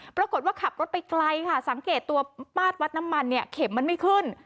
ปรากฏว่าขับรถไปไกลค่ะสังเกตตัวปาดวัดน้ำมันเนี่ยเข็มมันไม่ขึ้น